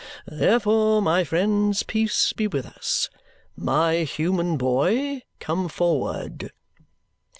Therefore, my friends, peace be with us! My human boy, come forward!"